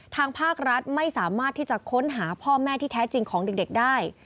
ทางภาครัฐไม่สามารถที่จะค้นหาพ่อแม่ที่แท้จริงของเด็กได้